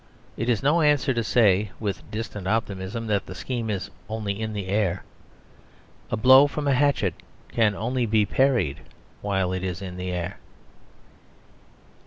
It is no answer to say, with a distant optimism, that the scheme is only in the air. A blow from a hatchet can only be parried while it is in the air.